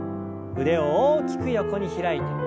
腕を大きく横に開いて。